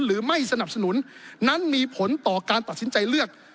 หรือไม่สนับสนุนนั้นมีผลต่อการตัดสินใจเลือก